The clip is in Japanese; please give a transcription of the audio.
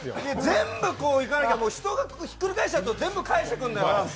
全部いかなきゃ人がひっくり返したやつ全部返していくんだから。